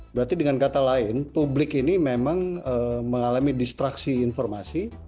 berarti dengan kata lain publik ini memang mengalami distraksi informasi